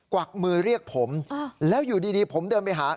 วักมือเรียกผมแล้วอยู่ดีผมเดินไปหา